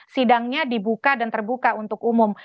sidangnya dibuka dan terbuka untuk umum